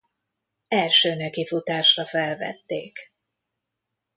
Első nekifutásra felvették.